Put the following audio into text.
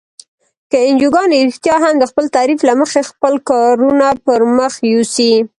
که انجوګانې رښتیا هم د خپل تعریف له مخې خپل کارونه پرمخ یوسي.